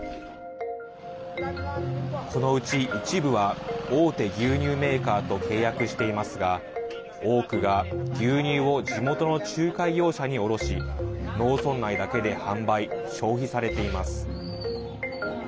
このうち一部は大手牛乳メーカーと契約していますが多くが、牛乳を地元の仲介業者に卸し農村内だけで販売・消費されています。